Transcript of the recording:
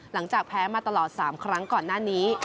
หลังจากแพ้มาตลอด๓ครั้งก่อนหน้านี้